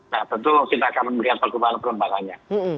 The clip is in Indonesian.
nah tentu kita akan melihat perkembangan perkembangannya